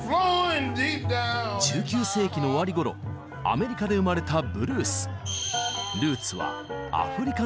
１９世紀の終わり頃アメリカで生まれたブルース。